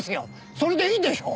それでいいでしょう？